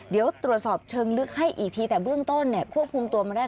เดี๋ยวตรวจสอบเชิงลึกให้อีกทีแต่เบื้องต้นเนี่ยควบคุมตัวมาได้